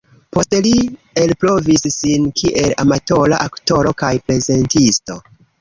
Poste li elprovis sin kiel amatora aktoro kaj prezentisto.